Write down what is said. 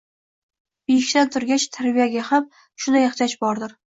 beshikdan turgach tarbiyagaham shunday ehtiyoji bordir.